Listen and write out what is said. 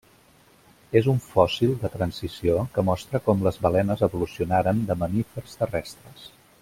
És un fòssil de transició que mostra com les balenes evolucionaren de mamífers terrestres.